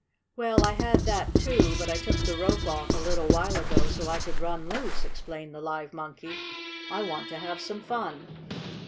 "Well, I had that, too, but I took the rope off a little while ago, so I could run loose," explained the live monkey. "I want to have some fun.